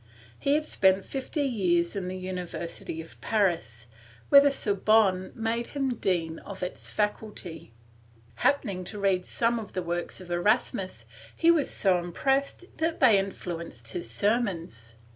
He had spent fifty years in the University of Paris, where the Sorbonne made him dean of its faculty. Happening to read some of the works of Erasmus, he was so impressed that they influenced his sermons.